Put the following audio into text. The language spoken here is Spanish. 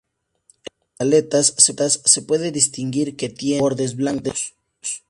En las aletas se puede distinguir que tiene bordes blancos.